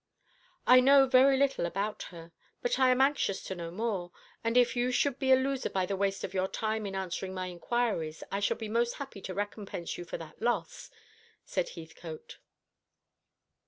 "I know very little about her, but I am anxious to know more; and if you should be a loser by the waste of your time in answering my inquiries, I shall be most happy to recompense you for that loss," said Heathcote.